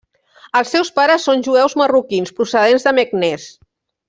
Els seus pares són jueus marroquins, procedents de Meknès.